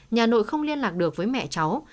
nhà nội không liên lạc được với mẹ cháu